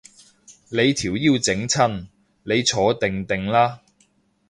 你條腰整親，你坐定定啦